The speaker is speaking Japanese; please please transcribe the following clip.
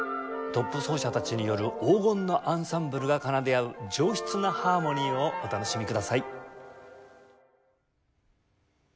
トップ奏者たちによる黄金のアンサンブルが奏で合う上質なハーモニーをお楽しみください。